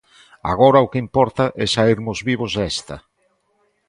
Agora o que importa é saírmos vivos desta.